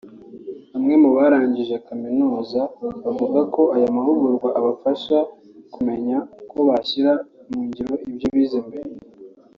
Bamwe mu barangije kaminuza bavuga ko aya mahugurwa abafasha kumenya uko bashyira mu ngiro ibyo bize mbere